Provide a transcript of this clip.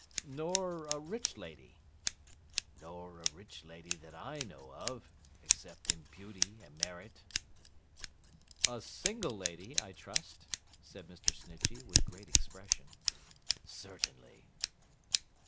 'Nor a rich lady?' 'Nor a rich lady that I know of—except in beauty and merit.' 'A single lady, I trust?' said Mr. Snitchey, with great expression. 'Certainly.